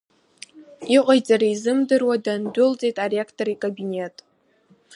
Иҟаиҵара изымдыруа дындәылҵит аректор икабинет.